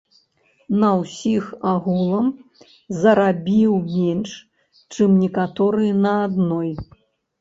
На ўсіх агулам зарабіў менш, чым некаторыя на адной.